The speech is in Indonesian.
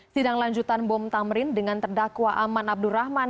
sidang lanjutan bom tamrin dengan terdakwa aman abdurrahman